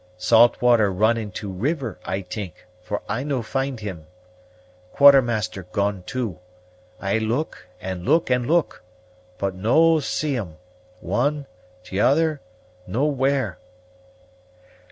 Saltwater run into river, I t'ink, for I no find him. Quartermaster gone too. I look, and look, and look; but no see' em, one, t'other, nowhere."